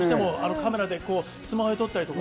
カメラでこうスマホで撮ったりとか。